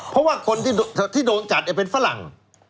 เพราะว่าคนที่โดนจัดเป็นฝรั่ง